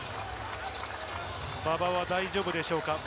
馬場は大丈夫でしょうか。